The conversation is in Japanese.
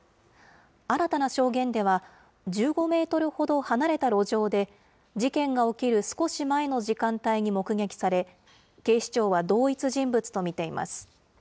新たな証言では、１５メートルほど離れた路上で、事件が起きる少し前の時間帯に目撃され、警視庁は同一人物と見ています。